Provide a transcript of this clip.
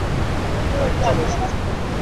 গাড়ি চলে এসেছে।